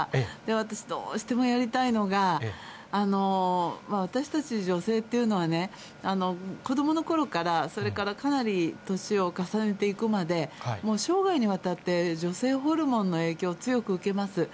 私、どうしてもやりたいのが、私たち女性というのはね、子どものころから、それからかなり年を重ねていくまで、もう生涯にわたって女性ホルモンの影響を強く受けます。